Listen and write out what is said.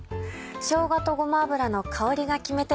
しょうがとごま油の香りが決め手。